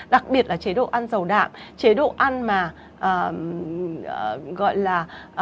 đặc biệt là chế độ ăn dầu đạm chế độ ăn mà gọi là